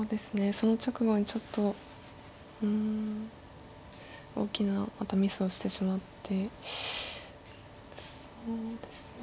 その直後にちょっとうん大きなミスをしてしまってそうですね